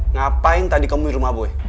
ngapain tadi kamu di rumah boleh